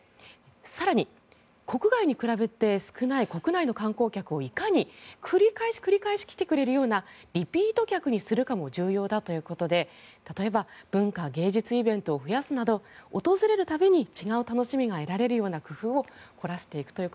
更に国外と比べて少ない国内の観光客をいかに繰り返し来てくれるかをリピート客にするかも重要だということで例えば、文化・芸術イベントを増やすなど訪れる度に違う楽しみが得られるようなことをしていくと。